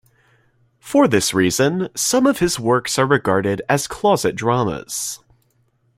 For this reason, some of his works are regarded as closet dramas.